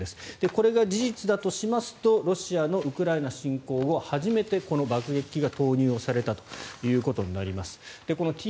これが事実だとしますとロシアのウクライナ侵攻後初めてこの爆撃機が投入されたということになります。